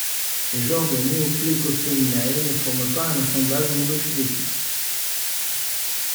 Les genres de Neoplecostominae ne forment pas un assemblage monophylétique.